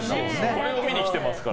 これを見に来てますからね。